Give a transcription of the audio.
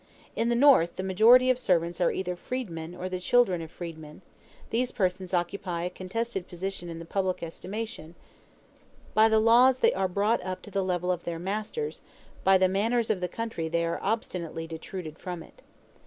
In the North, the majority of servants are either freedmen or the children of freedmen; these persons occupy a contested position in the public estimation; by the laws they are brought up to the level of their masters by the manners of the country they are obstinately detruded from it.